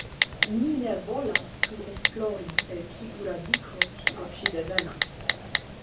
Ni ne volas plu esplori, el kiu radiko tio ĉi devenas.